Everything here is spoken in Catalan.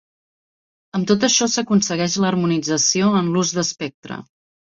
Amb tot això s'aconsegueix l'harmonització en l'ús d'espectre.